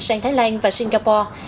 sang thái lan và singapore